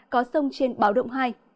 có sông trên báo động hai